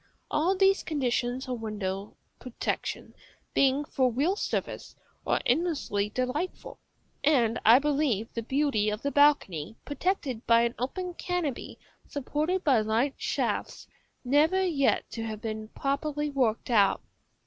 All these conditions of window protection, being for real service, are endlessly delightful (and I believe the beauty of the balcony, protected by an open canopy supported by light shafts, never yet to have been properly worked out).